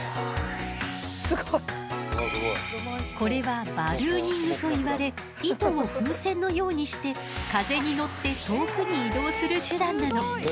これはバルーニングといわれ糸を風船のようにして風に乗って遠くに移動する手段なの。